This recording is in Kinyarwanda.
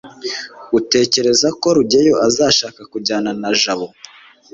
utekereza ko rugeyo azashaka kujyana na jabo